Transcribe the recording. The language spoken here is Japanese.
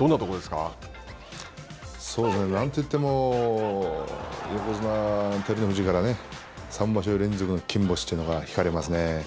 なんといっても横綱・照ノ富士から三場所連続の金星というのが光りますね。